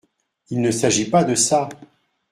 Il ne s’agit pas de ça !